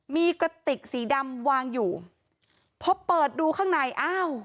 มีกระติกสีดำวางอยู่พอเปิดดูข้างในอ้าว